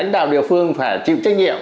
địa phương phải chịu trách nhiệm